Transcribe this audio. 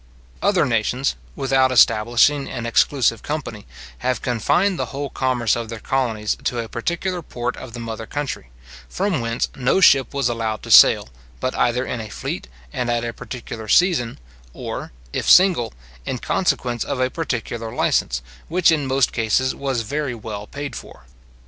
Other nations, without establishing an exclusive company, have confined the whole commerce of their colonies to a particular port of the mother country, from whence no ship was allowed to sail, but either in a fleet and at a particular season, or, if single, in consequence of a particular license, which in most cases was very well paid for.